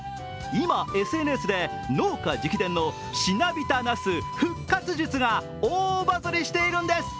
今ＳＮＳで農家直伝のしなびたナス復活術が大バズりしているんです。